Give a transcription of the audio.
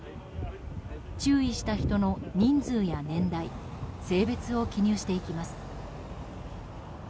注意した人の人数や年代性別を記入していきます。